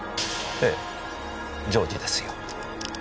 ええ情事ですよ。